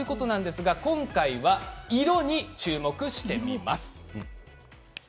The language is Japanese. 今回は色に注目してみました。